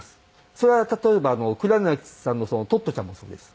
それは例えば黒柳さんの『トットちゃん』もそうです。